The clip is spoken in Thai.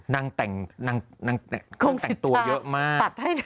นางแต่งตัวเยอะมาก